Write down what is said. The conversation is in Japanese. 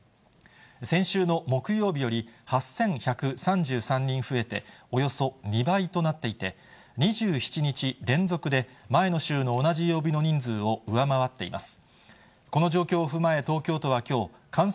先週の木曜日より８１３３人増えて、およそ２倍となっていて、２７日連続で、前の週の同じ曜日の人数を上回っています。